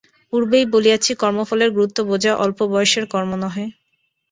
পূর্বেই বলিয়াছি, কর্মফলের গুরুত্ব বোঝা অল্প বয়সের কর্ম নহে।